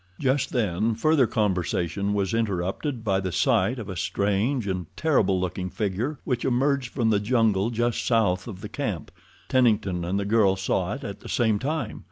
Just then further conversation was interrupted by the sight of a strange and terrible looking figure which emerged from the jungle just south of the camp. Tennington and the girl saw it at the same time.